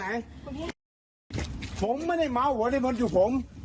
ลงแพร่ไหนลงแพร่ไหนผมไม่ได้เมาท์หวัดได้บนจุดผม